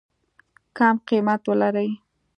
کم قیمت ولري.